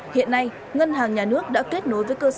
hiện nay ngân hàng nhà nước đã kết nối với các bộ ngành